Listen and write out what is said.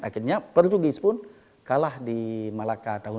akhirnya portugis pun kalah di malacca tahun seribu enam ratus empat puluh satu